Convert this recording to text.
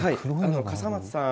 笠松さん